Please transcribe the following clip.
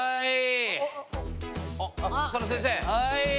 はい。